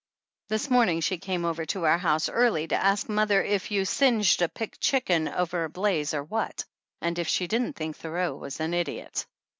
This morning she came over to our house early to ask mother if you singed a picked chicken over a blaze or what, and if she didn't think Thoreau was an idiot.